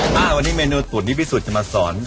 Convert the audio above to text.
ว่าวันนี้เมนูตุ๋นที่พี่สุจะมาสอน